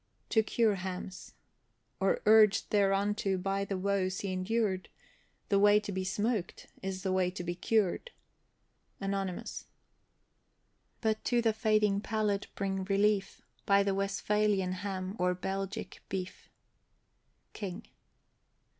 TO CURE HAMS. Or urged thereunto by the woes he endured, The way to be smoked, is the way to be cured. ANONYMOUS. But to the fading palate bring relief, By the Westphalian ham or Belgic beef. KING.